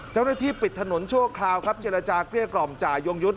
เจ้าหน้าที่ปิดถนนชั่วคราวครับเจรจาเกลี้ยกล่อมจ่ายงยุทธ์